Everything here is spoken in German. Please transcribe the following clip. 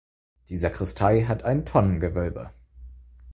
Die Sakristei hat ein Tonnengewölbe.